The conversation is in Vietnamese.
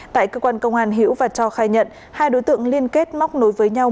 tại cơ quan công an hiễu và cho khai nhận hai đối tượng liên kết móc nối với nhau